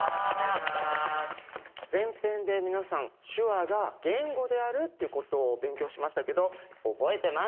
前編で皆さん手話が言語であるっていうことを勉強しましたけど覚えてますか？